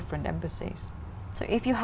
trong những năm qua